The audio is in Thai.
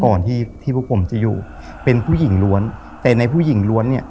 ก่อนที่ที่พวกผมจะอยู่เป็นผู้หญิงล้วนแต่ในผู้หญิงล้วนเนี่ย